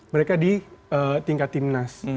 mereka di tingkat timnas